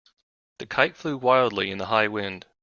The kite flew wildly in the high wind.